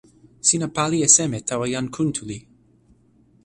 sina pali e seme tawa jan Kuntuli?